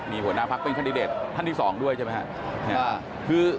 มีหัวหน้าพักเป็นคันดิเดตท่านที่๒ด้วยใช่ไหมครับ